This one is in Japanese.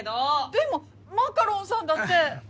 でもマカロンさんだって。